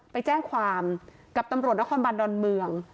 ไปแจ้งความกับตำรวจนครบันดอนเมือง